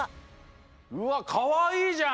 うわっかわいいじゃん！